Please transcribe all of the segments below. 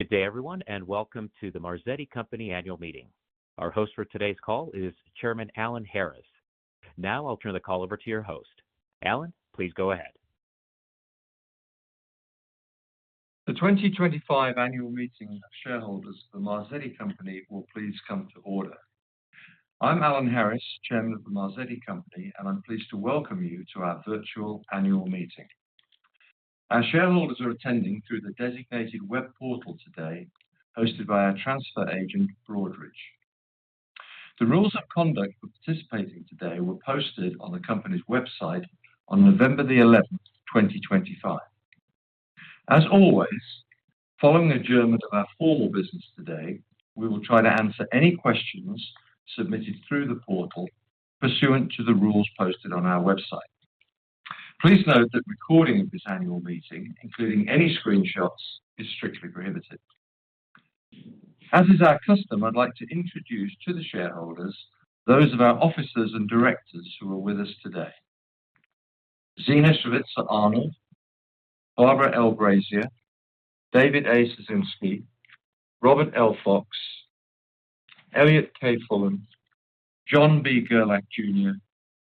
Good day, everyone, and welcome to The Marzetti Company Annual Meeting. Our host for today's call is Chairman Alan Harris. Now I'll turn the call over to your host. Alan, please go ahead. The 2025 Annual Meeting of Shareholders of The Marzetti Company will please come to order. I'm Alan Harris, Chairman of The Marzetti Company, and I'm pleased to welcome you to our virtual annual meeting. Our shareholders are attending through the designated web portal today, hosted by our transfer agent, Broadridge. The rules of conduct for participating today were posted on the company's website on November 11, 2025. As always, following the agreement of our formal business today, we will try to answer any questions submitted through the portal pursuant to the rules posted on our website. Please note that recording of this annual meeting, including any screenshots, is strictly prohibited. As is our custom, I'd like to introduce to the shareholders those of our officers and directors who are with us today: Zena Srivatsa Arnold, Barbara L. Brasier, David A. Ciesinski, Robert L. Fox, Elliot K. Fullen, John B. Gerlach Jr.,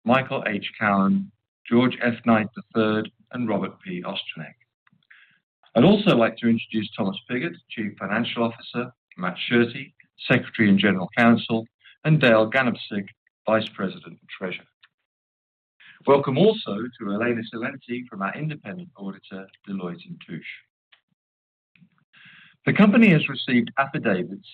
Michael H. Keown, George F. Knight III, and Robert P. Ostryniec. I'd also like to introduce Thomas Pigott, Chief Financial Officer, Matt Shurte, Secretary and General Counsel, and Dale Ganobsik, Vice President and Treasurer. Welcome also to Elena Cilenti from our independent auditor, Deloitte & Touche. The company has received affidavits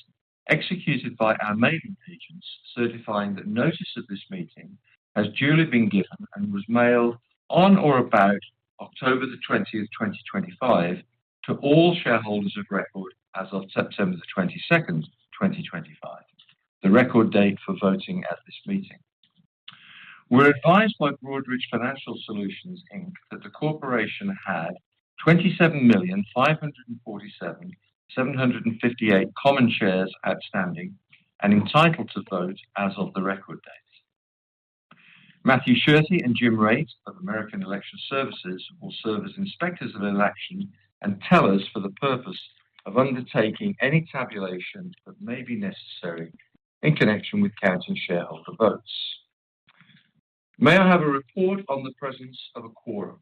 executed by our mailing agents certifying that notice of this meeting has duly been given and was mailed on or about October 20th, 2025, to all shareholders of record as of September 22nd, 2025, the record date for voting at this meeting. We're advised by Broadridge Financial Solutions that the corporation had 27,547,758 common shares outstanding and entitled to vote as of the record date. Matthew Shurte and Jim Raitt of American Election Services will serve as inspectors of election and tellers for the purpose of undertaking any tabulation that may be necessary in connection with counting shareholder votes. May I have a report on the presence of a quorum?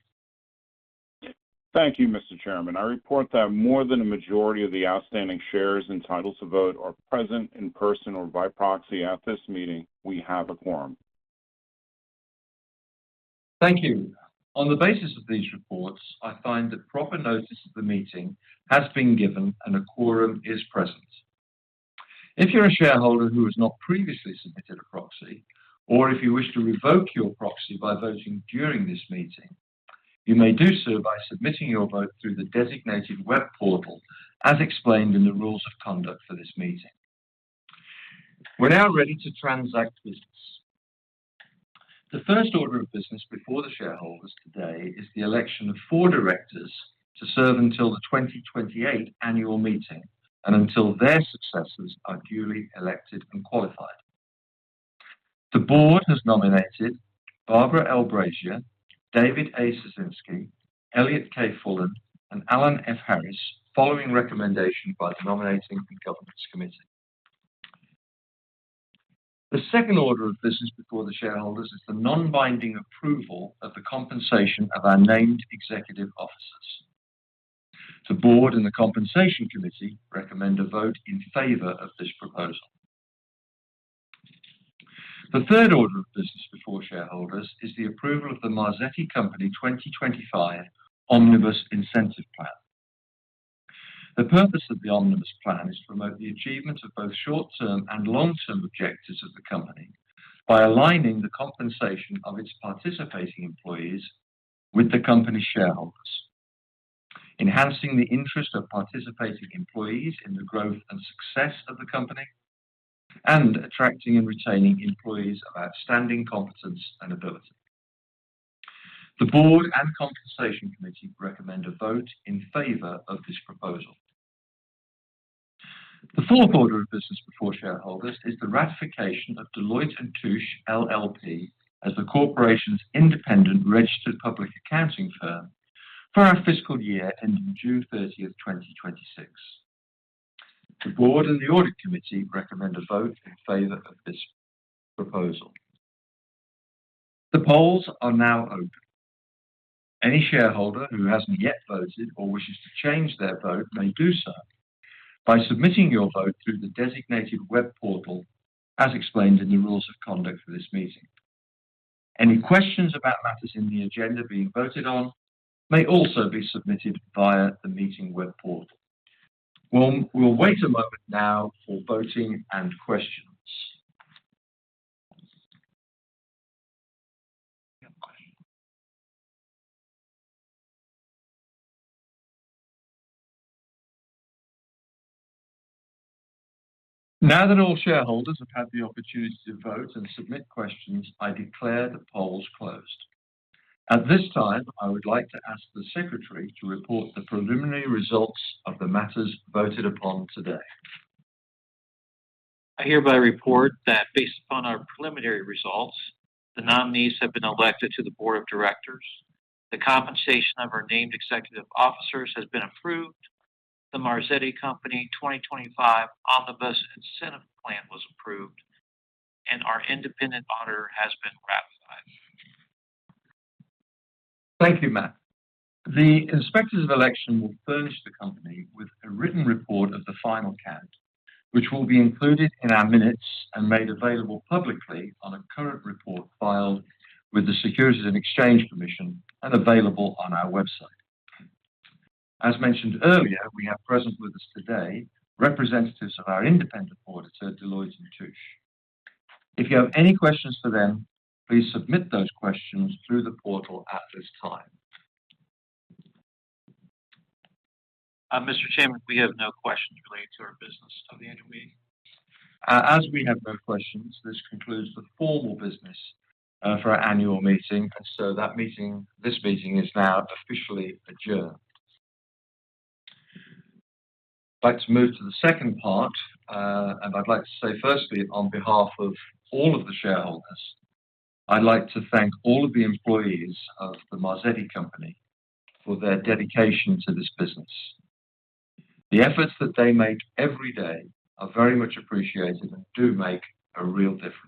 Thank you, Mr. Chairman. I report that more than a majority of the outstanding shares entitled to vote are present in person or by proxy at this meeting. We have a quorum. Thank you. On the basis of these reports, I find that proper notice of the meeting has been given and a quorum is present. If you're a shareholder who has not previously submitted a proxy, or if you wish to revoke your proxy by voting during this meeting, you may do so by submitting your vote through the designated web portal as explained in the rules of conduct for this meeting. We're now ready to transact business. The first order of business before the shareholders today is the election of four directors to serve until the 2028 annual meeting and until their successors are duly elected and qualified. The board has nominated Barbara L. Brasier, David A. Ciesinski, Elliot K. Fullen, and Alan F. Harris following recommendation by the Nominating and Governance Committee. The second order of business before the shareholders is the non-binding approval of the compensation of our named executive officers. The board and the compensation committee recommend a vote in favor of this proposal. The third order of business before shareholders is the approval of The Marzetti Company 2025 Omnibus Incentive Plan. The purpose of the Omnibus Plan is to promote the achievement of both short-term and long-term objectives of the company by aligning the compensation of its participating employees with the company's shareholders, enhancing the interest of participating employees in the growth and success of the company, and attracting and retaining employees of outstanding competence and ability. The board and compensation committee recommend a vote in favor of this proposal. The fourth order of business before shareholders is the ratification of Deloitte & Touche LLP as the corporation's independent registered public accounting firm for our fiscal year ending June 30th, 2026. The board and the audit committee recommend a vote in favor of this proposal. The polls are now open. Any shareholder who hasn't yet voted or wishes to change their vote may do so by submitting your vote through the designated web portal as explained in the rules of conduct for this meeting. Any questions about matters in the agenda being voted on may also be submitted via the meeting web portal. We'll wait a moment now for voting and questions. Now that all shareholders have had the opportunity to vote and submit questions, I declare the polls closed. At this time, I would like to ask the Secretary to report the preliminary results of the matters voted upon today. I hereby report that based upon our preliminary results, the nominees have been elected to the board of directors, the compensation of our named executive officers has been approved, The Marzetti Company 2025 Omnibus Incentive Plan was approved, and our independent auditor has been ratified. Thank you, Matt. The inspectors of election will furnish the company with a written report of the final count, which will be included in our minutes and made available publicly on a current report filed with the Securities and Exchange Commission and available on our website. As mentioned earlier, we have present with us today representatives of our independent auditor, Deloitte & Touche. If you have any questions for them, please submit those questions through the portal at this time. Mr. Chairman, we have no questions related to our business of the annual meeting. As we have no questions, this concludes the formal business for our annual meeting, and so this meeting is now officially adjourned. I'd like to move to the second part, and I'd like to say, firstly, on behalf of all of the shareholders, I'd like to thank all of the employees of The Marzetti Company for their dedication to this business. The efforts that they make every day are very much appreciated and do make a real difference.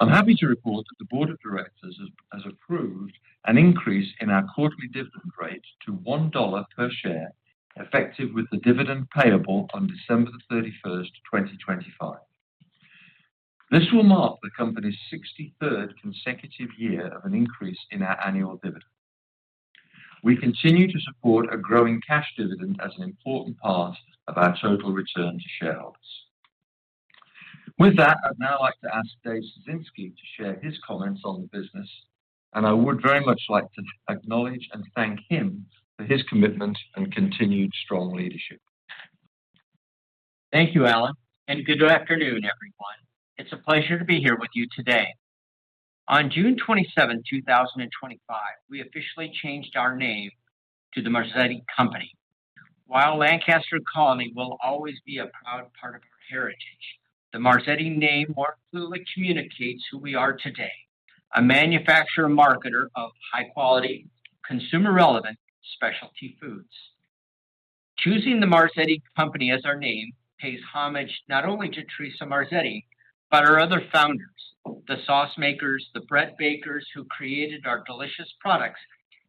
I'm happy to report that the board of directors has approved an increase in our quarterly dividend rate to $1 per share, effective with the dividend payable on December 31st, 2025. This will mark the company's 63rd consecutive year of an increase in our annual dividend. We continue to support a growing cash dividend as an important part of our total return to shareholders. With that, I'd now like to ask Dave Ciesinski to share his comments on the business, and I would very much like to acknowledge and thank him for his commitment and continued strong leadership. Thank you, Alan, and good afternoon, everyone. It's a pleasure to be here with you today. On June 27th, 2025, we officially changed our name to The Marzetti Company. While Lancaster Colony will always be a proud part of our heritage, The Marzetti name more clearly communicates who we are today: a manufacturer-marketer of high-quality, consumer-relevant specialty foods. Choosing The Marzetti Company as our name pays homage not only to Teresa Marzetti but her other founders, the sauce makers, the bread bakers who created our delicious products,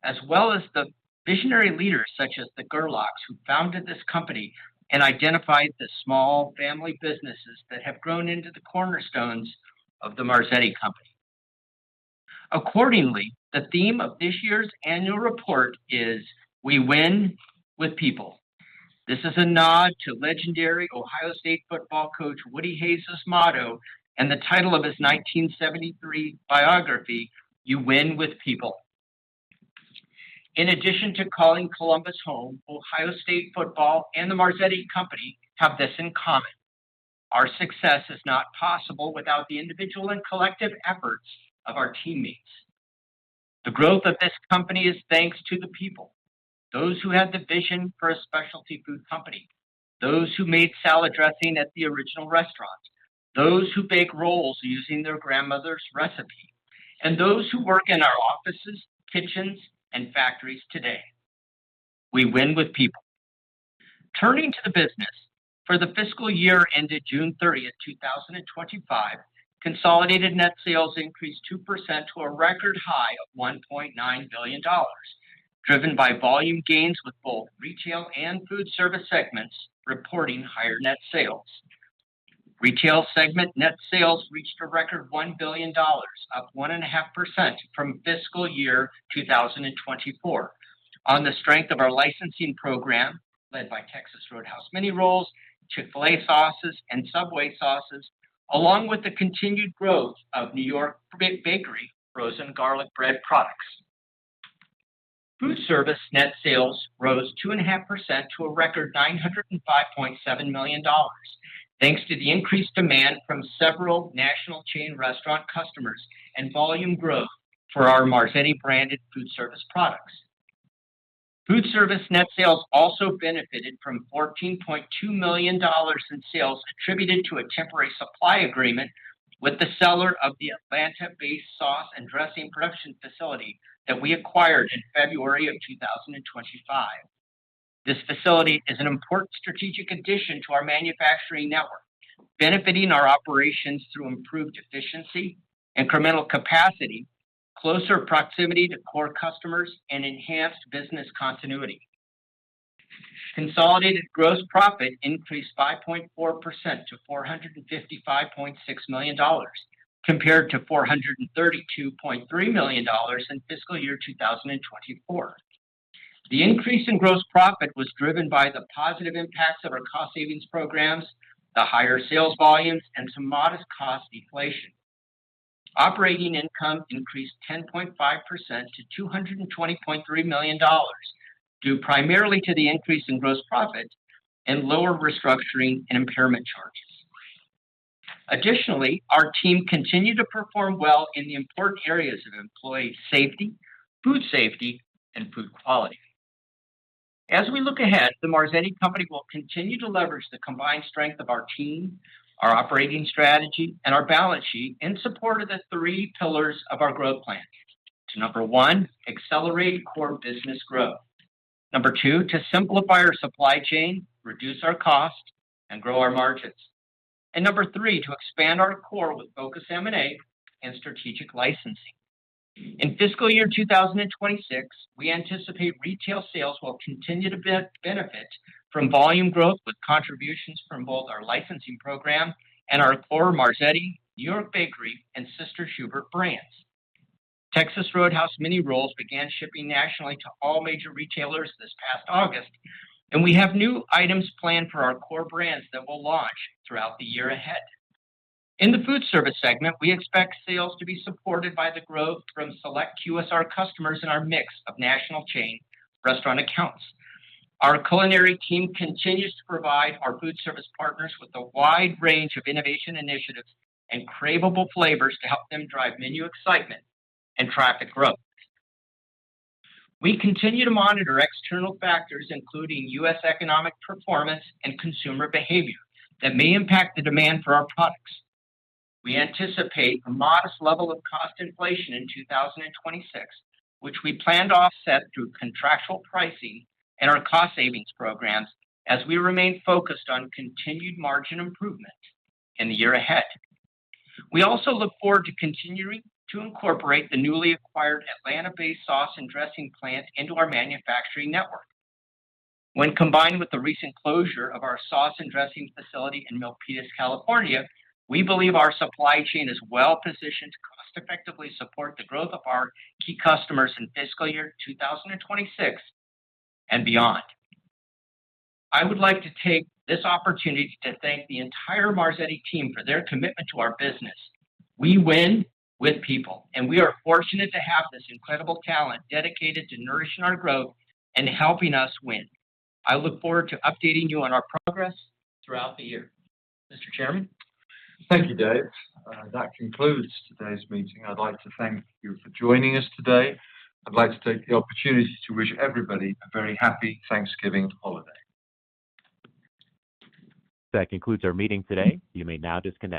as well as the visionary leaders such as the Gerlachs who founded this company and identified the small family businesses that have grown into the cornerstones of The Marzetti Company. Accordingly, the theme of this year's annual report is, "We Win with People." This is a nod to legendary Ohio State football coach Woody Hayes' motto and the title of his 1973 biography, "You Win with People." In addition to calling Columbus home, Ohio State football and The Marzetti Company have this in common: our success is not possible without the individual and collective efforts of our teammates. The growth of this company is thanks to the people: those who had the vision for a specialty food company, those who made salad dressing at the original restaurant, those who bake rolls using their grandmother's recipe, and those who work in our offices, kitchens, and factories today. We Win with People. Turning to the business, for the fiscal year ended June 30th, 2025, consolidated net sales increased 2% to a record high of $1.9 billion, driven by volume gains with both retail and food service segments reporting higher net sales. Retail segment net sales reached a record $1 billion, up 1.5% from fiscal year 2024, on the strength of our licensing program led by Texas Roadhouse Mini Rolls, Chick-fil-A sauces, and Subway sauces, along with the continued growth of New York Bakery frozen garlic bread products. Food service net sales rose 2.5% to a record $905.7 million, thanks to the increased demand from several national chain restaurant customers and volume growth for our Marzetti branded food service products. Food service net sales also benefited from $14.2 million in sales attributed to a temporary supply agreement with the seller of the Atlanta-based sauce and dressing production facility that we acquired in February of 2025. This facility is an important strategic addition to our manufacturing network, benefiting our operations through improved efficiency, incremental capacity, closer proximity to core customers, and enhanced business continuity. Consolidated gross profit increased 5.4% to $455.6 million, compared to $432.3 million in fiscal year 2024. The increase in gross profit was driven by the positive impacts of our cost savings programs, the higher sales volumes, and some modest cost deflation. Operating income increased 10.5% to $220.3 million due primarily to the increase in gross profit and lower restructuring and impairment charges. Additionally, our team continued to perform well in the important areas of employee safety, food safety, and food quality. As we look ahead, The Marzetti Company will continue to leverage the combined strength of our team, our operating strategy, and our balance sheet in support of the three pillars of our growth plan: to number one, accelerate core business growth; number two, to simplify our supply chain, reduce our cost, and grow our margins; and number three, to expand our core with focus M&A and strategic licensing. In fiscal year 2026, we anticipate retail sales will continue to benefit from volume growth with contributions from both our licensing program and our core Marzetti, New York Bakery, and Sister Schubert brands. Texas Roadhouse Mini Rolls began shipping nationally to all major retailers this past August, and we have new items planned for our core brands that we'll launch throughout the year ahead. In the food service segment, we expect sales to be supported by the growth from select QSR customers in our mix of national chain restaurant accounts. Our culinary team continues to provide our food service partners with a wide range of innovation initiatives and craveable flavors to help them drive menu excitement and traffic growth. We continue to monitor external factors, including U.S. economic performance and consumer behavior, that may impact the demand for our products. We anticipate a modest level of cost inflation in 2026, which we plan to offset through contractual pricing and our cost savings programs as we remain focused on continued margin improvement in the year ahead. We also look forward to continuing to incorporate the newly acquired Atlanta-based sauce and dressing plant into our manufacturing network. When combined with the recent closure of our sauce and dressing facility in Milpitas, California, we believe our supply chain is well positioned to cost-effectively support the growth of our key customers in fiscal year 2026 and beyond. I would like to take this opportunity to thank the entire Marzetti team for their commitment to our business. We Win with People, and we are fortunate to have this incredible talent dedicated to nourishing our growth and helping us win. I look forward to updating you on our progress throughout the year. Mr. Chairman? Thank you, Dave. That concludes today's meeting. I'd like to thank you for joining us today. I'd like to take the opportunity to wish everybody a very happy Thanksgiving holiday. That concludes our meeting today. You may now disconnect.